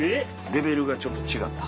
レベルがちょっと違った。